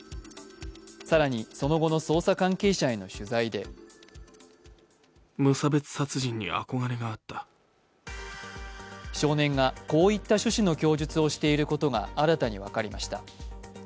更に、その後の捜査関係者への取材で少年が、こういった趣旨の供述をしていることが新たに分かりました。